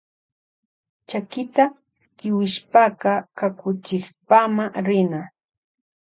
Chakita kiwishpaka kakuchikpama rina.